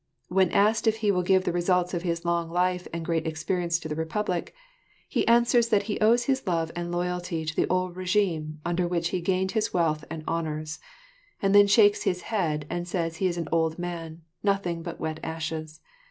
When asked if he will give the results of his long life and great experience to the Republic, he answers that he owes his love and loyalty to the old regime under which he gained his wealth and honours; and then he shakes his head and says he is an old man, nothing but wet ashes.